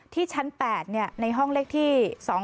ที่ชั้น๘ในห้องเลขที่๒๒๑๑๙๘๑๙๙